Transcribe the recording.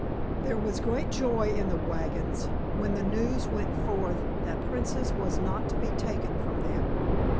There was great joy in the wagons when the news went forth that Princess was not to be taken from them.